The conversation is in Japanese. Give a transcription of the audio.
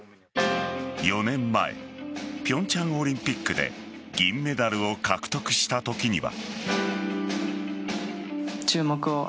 ４年前、平昌オリンピックで銀メダルを獲得した時には。